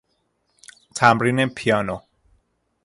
تمرین پیانو